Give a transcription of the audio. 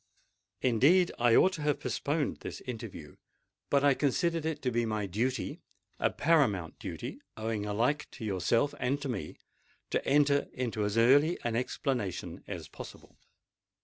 Indeed, I ought to have postponed this interview: but I considered it to be my duty—a paramount duty owing alike to yourself and to me—to enter into as early an explanation as possible."